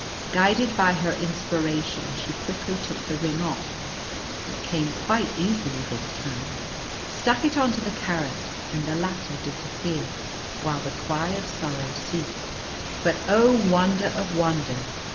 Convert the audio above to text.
Guided by her inspiration she quickly took the ring off (it came quite easily this time), stuck it on to the carrot, and the latter disappeared, while the cry of sorrow ceased. But, oh, wonder of wonders!